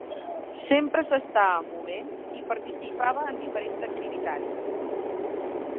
Sempre s'estava movent, i participava en diferents activitats.